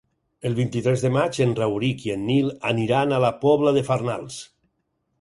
El vint-i-tres de maig en Rauric i en Nil aniran a la Pobla de Farnals.